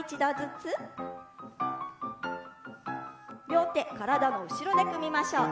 両手、体の後ろで組みましょう。